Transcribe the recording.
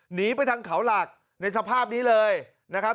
หนีไปทางเขาหลักในสภาพนี้เลยนะครับ